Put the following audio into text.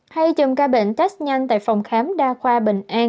hay chùm ca bệnh test nhanh tại phòng khám đa khoa bình an